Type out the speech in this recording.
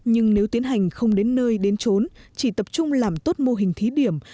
nhưng nếu tiến hành không đến nơi đến trốn chỉ tập trung làm tốt mô hình thí điểm